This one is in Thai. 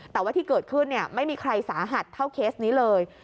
แต่ว่าที่เกิดขึ้นไม่มีใครสาหัสเท่าเคสนี้เลย